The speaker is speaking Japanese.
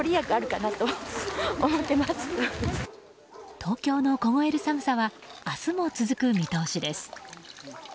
東京の凍える寒さは明日も続く見通しです。